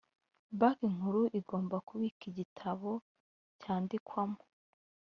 banki nkuru igomba kubika igitabo cyandikwamo